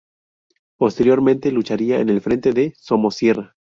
Posteriormente lucharía en el frente de Somosierra.